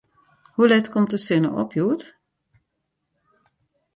Hoe let komt de sinne op hjoed?